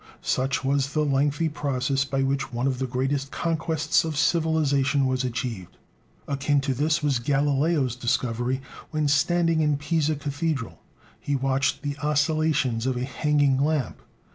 such was the lengthy process by which one of the greatest conquests of civilization was achieved. Akin to this was Galileo's discovery, when, standing in Pisa Cathedral, he watched the oscillations of a hanging lamp.